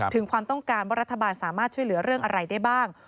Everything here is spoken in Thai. ถึงความต้องการว่ารัฐบาลสามารถช่วยเหลือเรื่องอะไรได้บ้าง